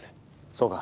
そうか。